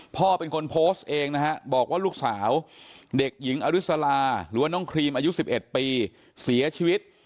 พ่อเป็นคนโพสต์เองนะฮะบอกว่าลูกสาวเด็กหญิงอริสลาหรือว่าน้องครีมอายุ๑๑ปีเสียชีวิต